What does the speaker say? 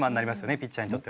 ピッチャーにとっては。